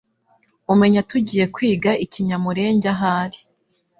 umenya tugiye kwiga ikinyamurenge ahari